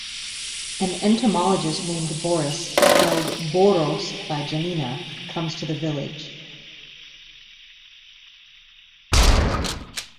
An entomologist named Borys–spelled "Boros" by Janina–comes to the village.